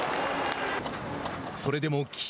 それでも岸。